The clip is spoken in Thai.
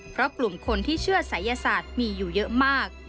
เพราะกลุ่มคนที่เชื่อศัยศาสตร์มีอยู่เยอะมาก